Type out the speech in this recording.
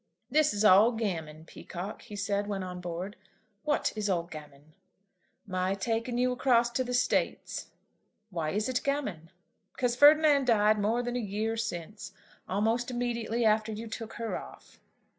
"This is all gammon, Peacocke," he said, when on board. "What is all gammon?" "My taking you across to the States." "Why is it gammon?" "Because Ferdinand died more than a year since; almost immediately after you took her off."